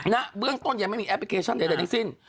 ในเบื้องต้นยังไม่มีแอปพลิเคชันแต่ในสิ้น